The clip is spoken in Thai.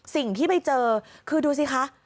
สิ่งที่ไปเจอคือดูสิคะ